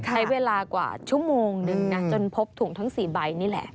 ใช้เวลากว่าชั่วโมงนึงนะจนพบถุงทั้ง๔ใบนี่แหละ